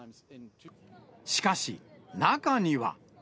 しかし、中には。